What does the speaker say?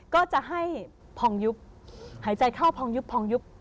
ก็จะให้พองยุปหายใจเข้าพองยุป